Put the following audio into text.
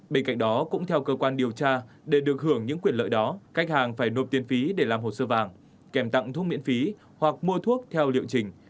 bên cạnh đó cũng theo cơ quan điều tra để được hưởng những quyền lợi đó khách hàng phải nộp tiền phí để làm hồ sơ vàng kèm tặng thuốc miễn phí hoặc mua thuốc theo liệu trình